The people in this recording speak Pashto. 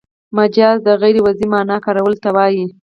مجاز د غیر وضعي مانا کارولو ته وايي.